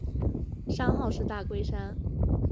山号是大龟山。